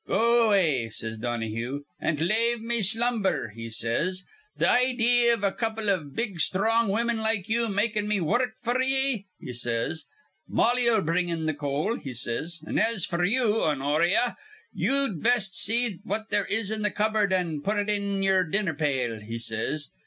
'Go away,' says Donahue, 'an lave me slumber,' he says. 'Th' idee iv a couple iv big strong women like you makin' me wurruk f'r ye,' he says. 'Mollie 'll bring in th' coal,' he says. 'An' as f'r you, Honoria, ye'd best see what there is in th' cupboord an' put it in ye'er dinner pail,' he says.